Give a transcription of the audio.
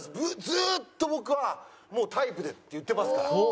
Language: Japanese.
ずーっと僕はもう「タイプで」って言ってますから。